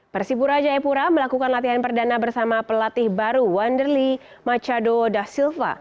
persipura jaipura melakukan latihan perdana bersama pelatih baru wanderly machado da silva